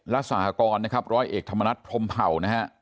และสหกรรมร้อยเอกธรรมนัฐพรมเผ่า